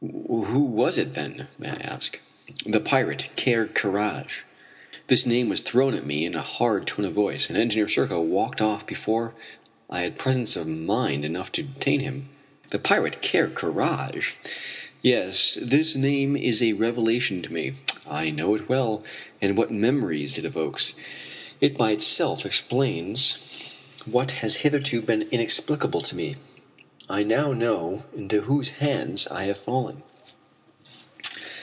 "Who was it then, may I ask?" "The pirate Ker Karraje." This name was thrown at me in a hard tone of voice, and Engineer Serko walked off before I had presence of mind enough to detain him. The pirate Ker Karraje! Yes, this name is a revelation to me. I know it well, and what memories it evokes! It by itself explains what has hitherto been inexplicable to me. I now know into whose hands I have fallen.